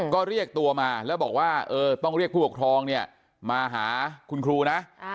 ก็เรียกตัวมาแล้วบอกว่าต้องเรียกผู้ปกครองเนี่ยมาหาคุณครูนะ